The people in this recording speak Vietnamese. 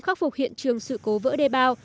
khắc phục hiện trường sự cố vỡ đê bao